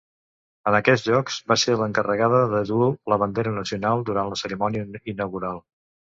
En aquests Jocs va ser l'encarregada de dur la bandera nacional durant la cerimònia inaugural.